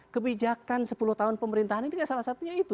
kebijakan sepuluh tahun pemerintahan ini salah satunya itu